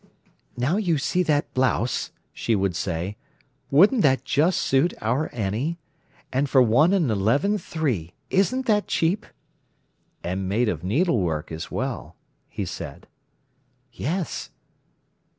"Now you see that blouse," she would say, "wouldn't that just suit our Annie? And for one and eleven three. Isn't that cheap?" "And made of needlework as well," he said. "Yes."